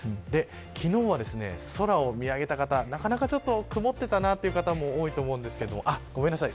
昨日は空を見上げた方なかなか曇っていたなという方も多いと思うんですけどごめんなさい。